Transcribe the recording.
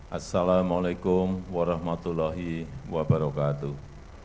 assalamu alaikum warahmatullahi wabarakatuh